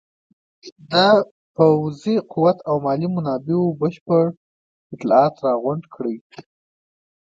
د پوځي قوت او مالي منابعو بشپړ اطلاعات راغونډ کړي.